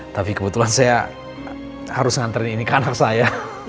tapi kebetulan saya harus nganterin ini kan anak saya